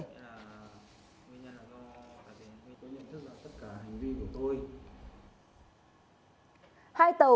tôi nhận thức ra tất cả hành vi của tôi